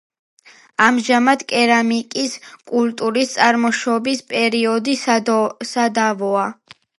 ამჟამად კერამიკის კულტურის წარმოშობის პერიოდი სადავოა.